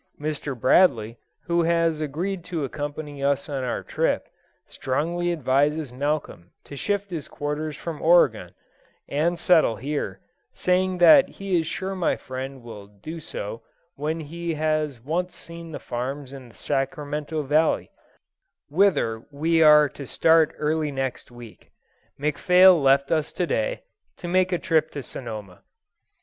Mr. Bradley, who has agreed to accompany us on our trip, strongly advises Malcolm to shift his quarters from Oregon, and settle here, saying that he is sure my friend will do so when he has once seen the farms in the Sacramento valley, whither we are to start early next week. McPhail left us to day, to make a trip to Sonoma.